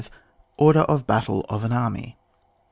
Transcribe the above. ORDER OF BATTLE OF AN ARMY.